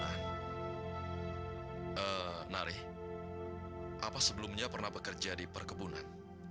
eh nak raih apa sebelumnya pernah bekerja di perkebunan